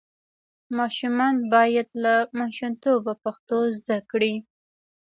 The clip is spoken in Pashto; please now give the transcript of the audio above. ماشومان باید له ماشومتوبه پښتو زده کړي.